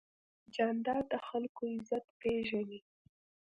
جانداد د خلکو عزت پېژني.